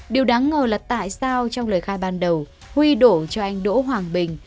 điều đáng ngờ là tại sao trong lời khai ban đầu huy đổ cho anh đỗ hoàng bình